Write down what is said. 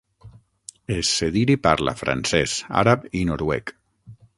Essediri parla francès, àrab i noruec.